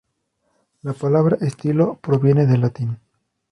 La palabra estilo proviene del latín.